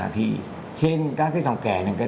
thì trên các cái dòng kẻ này